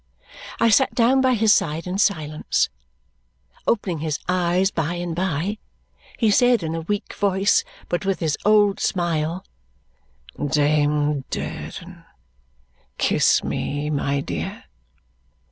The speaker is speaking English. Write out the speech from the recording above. I sat down by his side in silence. Opening his eyes by and by, he said in a weak voice, but with his old smile, "Dame Durden, kiss me, my dear!"